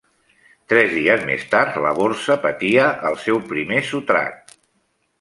Tres dies més tard la borsa patia el seu primer sotrac.